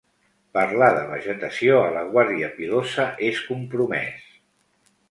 Parlar de vegetació a la Guàrdia Pilosa és compromès.